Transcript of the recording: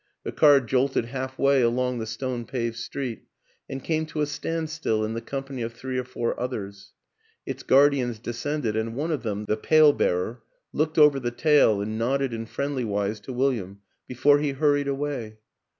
The car jolted half way along the stone paved street and came to a standstill in the company of three or four others; its guardians descended and one of them the pail bearer looked over the tail and nodded in friendly wise to William before he hurried away.